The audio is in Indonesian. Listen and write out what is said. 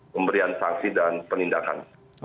memberian sanksi dan penindakan